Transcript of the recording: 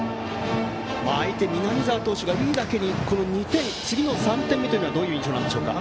相手、南澤投手がいいだけに次の３点目はどういう印象なんでしょうか？